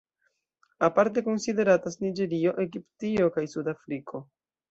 Aparte konsideratas Niĝerio, Egiptio kaj Sud-Afriko.